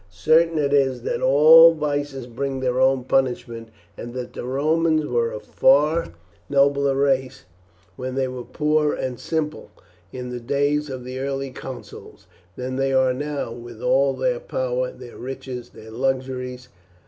Certain it is that all vices bring their own punishment, and that the Romans were a far nobler race when they were poor and simple, in the days of the early consuls, than they are now, with all their power, their riches, and their luxuries.